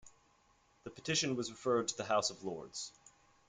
The petition was referred to the House of Lords.